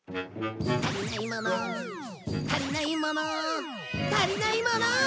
足りないもの足りないもの足りないもの！